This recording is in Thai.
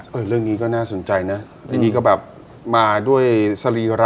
เราเร็วงี้ก็น่าสนใจนะเรียบดูก็แบบมาด้วยสลีระ